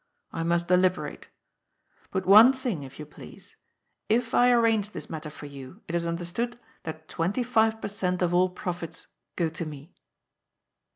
I must deliberate. But one thing, if you please. If I arrange this matter for you, it is understood, that twenty five per cent, of all profits go to me."